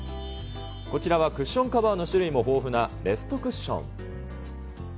こちらはクッションカバーの種類も豊富なレストクッション。